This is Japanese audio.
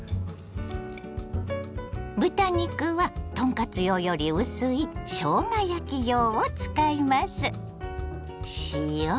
豚肉は豚カツ用より薄いしょうが焼き用を使います。